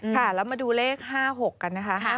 ค่ะแล้วมาดูเลข๕๖กันนะคะ